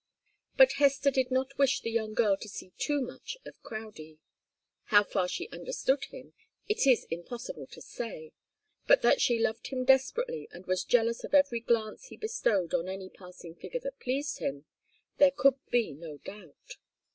But Hester did not wish the young girl to see too much of Crowdie. How far she understood him it is impossible to say, but that she loved him desperately and was jealous of every glance he bestowed on any passing figure that pleased him, there could be no doubt.